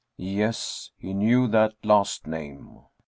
Yes, he knew that last name.